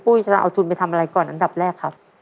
พูยจัดาการติดเสียไปทุนไปทำอะไรก่อนต่ำแรก